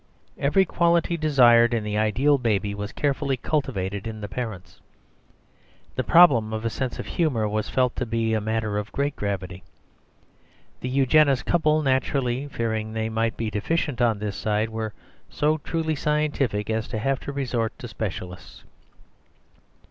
Every quality desired in the ideal baby was carefully cultivated in the parents. The problem of a sense of humour was felt to be a matter of great gravity. The Eugenist couple, naturally fearing they might be deficient on this side, were so truly scientific as to have resort to specialists.